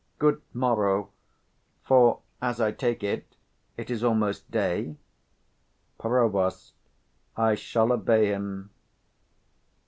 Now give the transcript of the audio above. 100 Good morrow; for, as I take it, it is almost day. Prov. I shall obey him.